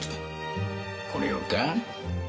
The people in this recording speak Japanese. これをか？